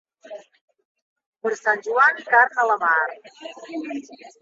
Per Sant Joan, carn a la mar.